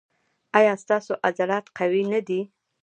ایا ستاسو عضلات قوي نه دي؟